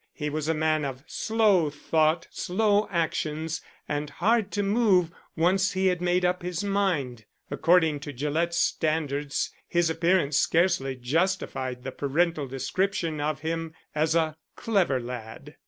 He was a man of slow thought, slow actions, and hard to move once he had made up his mind. According to Gillett's standards his appearance scarcely justified the parental description of him as a clever lad.